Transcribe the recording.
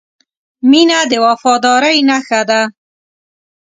• مینه د وفادارۍ نښه ده.